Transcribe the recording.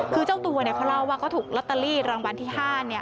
คือเจ้าตัวเขาเล่าว่าเขาถูกลอตเตอรี่รางวัลที่๕